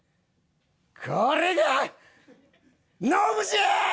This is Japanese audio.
これがノブじゃあ！